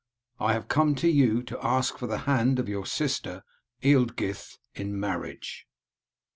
I have come to you to ask for the hand of your sister Ealdgyth in marriage."